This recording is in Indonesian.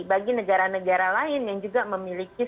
bagi negara negara lain yang juga memiliki